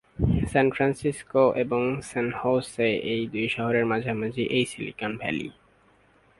সান Francisco এবং San Jose এই দুই শহরের মাঝামাঝি এই সিলিকন ভ্যালি।